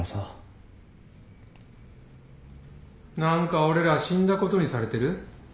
・何か俺ら死んだことにされてる？